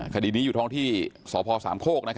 คดีนี้อยู่ท้องที่สพสามโคก